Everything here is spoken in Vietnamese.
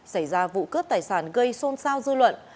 xảy ra vụ cướp tài sản gây xôn xao dư luận